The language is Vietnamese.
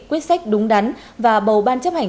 quyết sách đúng đắn và bầu ban chấp hành